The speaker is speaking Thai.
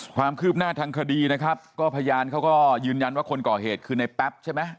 ความคืบหน้าทางคดีนะครับก็พยานเขาก็ยืนยันว่าคนก่อเหตุคือในแป๊บใช่ไหม